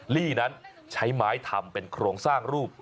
ลี่นั้นใช้ไม้ทำเป็นโครงสร้างรูป